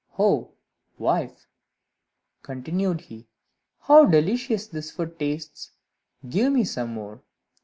Oh, wife," continued he, "how delicious this food tastes; give me some more."